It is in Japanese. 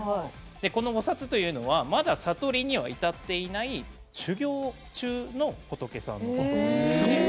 この菩薩というのはまだ悟りには至っていない修行中の仏様のことです。